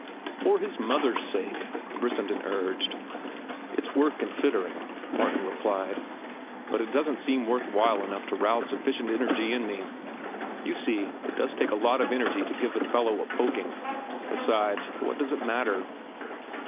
"For his mother's sake," Brissenden urged. "It's worth considering," Martin replied; "but it doesn't seem worth while enough to rouse sufficient energy in me. You see, it does take energy to give a fellow a poking. Besides, what does it matter?"